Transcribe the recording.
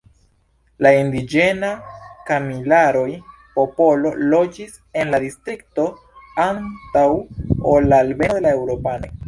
La indiĝena Kamilaroj-popolo loĝis en la distrikto antaŭ ol la alveno de la eŭropanoj.